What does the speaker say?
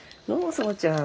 園ちゃん。